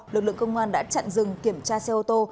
lực lượng công an đã chặn dừng kiểm tra xe ô tô